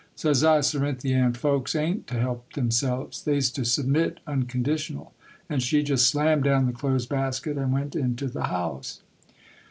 Says I, "Cerinthy Ann, folks a'n't to help themselves; they's to submit unconditional." And she jest slammed down the clothes basket and went into the house.